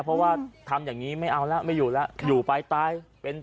เพราะว่าทำอย่างนี้ไม่เอาแล้วไม่อยู่แล้วอยู่ไปตายเป็น